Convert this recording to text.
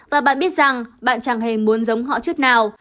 và bạn biết rằng bạn chẳng hề muốn giống họ chút nào